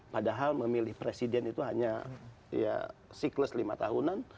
padahal memilih presiden itu hanya ya siklus lima tahunan